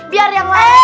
biar yang lain